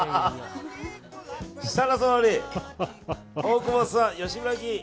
設楽総理、大久保さん、吉村議員。